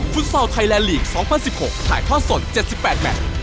ฟุตซอลไทแลนด์ลีก๒๐๑๖ถ่ายท่อนส่วน๗๘แมตร